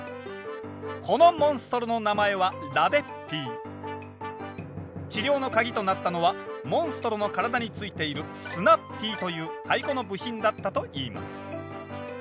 このモンストロの名前は治療の鍵となったのはモンストロの体に付いているスナッピーという太鼓の部品だったといいます。